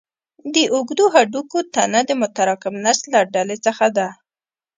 د اوږدو هډوکو تنه د متراکم نسج له ډلې څخه ده.